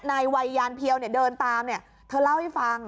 นายวัยยานเพียวเนี้ยเดินตามเนี้ยเธอเล่าให้ฟัง